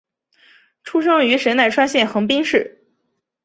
出生于神奈川县横滨市。